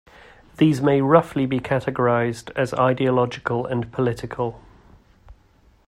These may roughly be categorized as ideological and political.